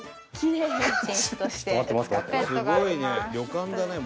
「すごいね。